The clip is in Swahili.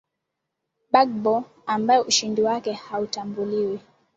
bagbo ambaye ushindi wake hautambuliwi